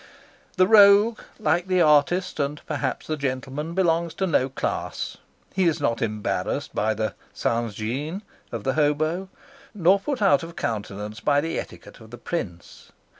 The rogue, like the artist and perhaps the gentleman, belongs to no class. He is not embarrassed by the of the hobo, nor put out of countenance by the etiquette of the prince.